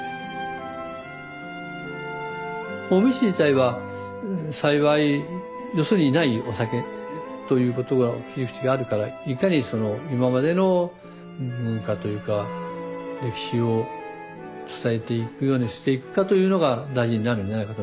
保命酒自体は幸いよそにないお酒ということが切り口があるからいかにその今までの文化というか歴史を伝えていくようにしていくかというのが大事になるんじゃないかと。